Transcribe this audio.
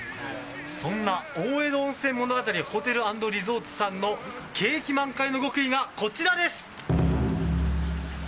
そんな大江戸温泉物語ホテル＆リゾートさんの景気満開の極意がこちらです。